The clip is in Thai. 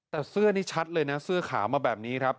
แต่เสื้อนี่ชัดเลยนะเสื้อขาวมาแบบนี้ครับ